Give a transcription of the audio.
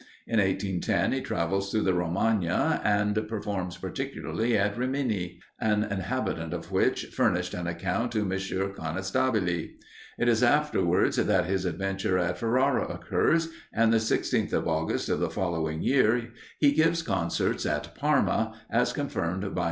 In 1810, he travels through the Romagna, and performs particularly at Rimini, an inhabitant of which furnished an account to M. Conestabile. It is afterwards that his adventure at Ferrara occurs; and the 16th of August of the following year he gives concerts at Parma, as confirmed by M.